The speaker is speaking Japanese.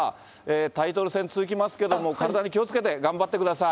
タイトル戦続きますけれども、体に気をつけて、頑張ってください。